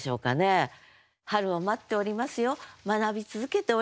春を待っておりますよ学び続けております